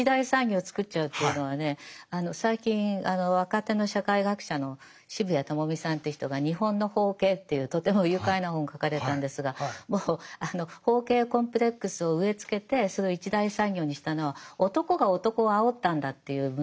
最近あの若手の社会学者の澁谷知美さんっていう人が「日本の包茎」っていうとても愉快な本を書かれたんですが包茎コンプレックスを植え付けてそれを一大産業にしたのは男が男をあおったんだっていう分析ですね。